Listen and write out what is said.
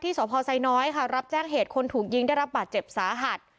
สพไซน้อยค่ะรับแจ้งเหตุคนถูกยิงได้รับบาดเจ็บสาหัส